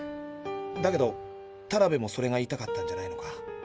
だけどタナベもそれが言いたかったんじゃないのか。